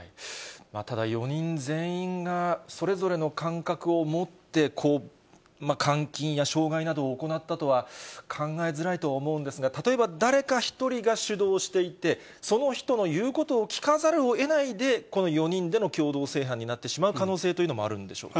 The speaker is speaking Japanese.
ただ４人全員が、それぞれの感覚を持って監禁や傷害などを行ったとは考えづらいとは思うんですが、例えば誰か一人が主導していて、その人の言うことを聞かざるをえないで、この４人での共同正犯になってしまう可能性というのもあるんでしょうか。